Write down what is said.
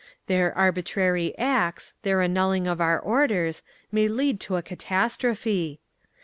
"THEIR ARBITRARY ACTS, their annulling of our orders, MAY LEAD TO A CATASTROPHE.